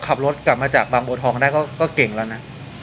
ขับรถกลับมาจากบางบัวทองได้ก็เก่งแล้วนะ